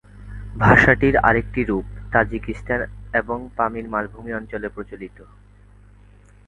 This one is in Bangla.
ভাষাটির আরেকটি রূপ তাজিকিস্তান এবং পামির মালভূমি অঞ্চলে প্রচলিত।